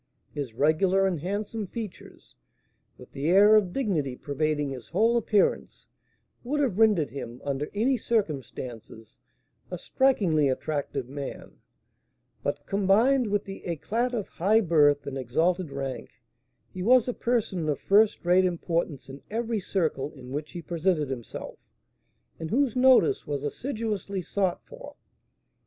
His regular and handsome features, with the air of dignity pervading his whole appearance, would have rendered him, under any circumstances, a strikingly attractive man; but, combined with the éclat of high birth and exalted rank, he was a person of first rate importance in every circle in which he presented himself, and whose notice was assiduously sought for.